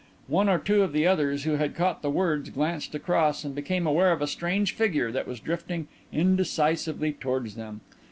One or two of the others who had caught the words glanced across and became aware of a strange figure that was drifting indecisively towards them.